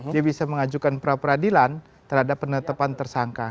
dia bisa mengajukan pra peradilan terhadap penetapan tersangka